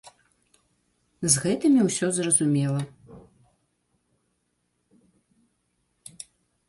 З гэтымі ўсё зразумела.